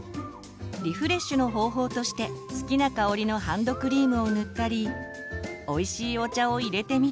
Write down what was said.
リフレッシュの方法として好きな香りのハンドクリームを塗ったりおいしいお茶をいれてみたり。